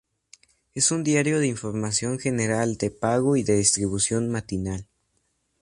Es un diario de información general, de pago y de distribución matinal.